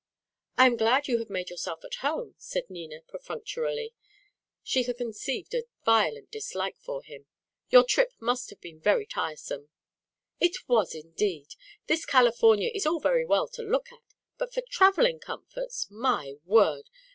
"I am glad you have made yourself at home," said Nina, perfunctorily; she had conceived a violent dislike for him. "Your trip must have been very tiresome." "It was, indeed. This California is all very well to look at, but for travelling comforts my word!